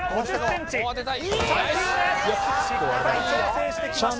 しっかり調整してきました